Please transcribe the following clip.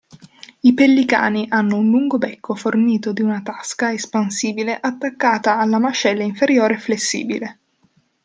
I pellicani hanno un lungo becco fornito di una tasca espansibile attaccata alla mascella inferiore flessibile.